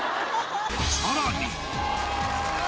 さらに。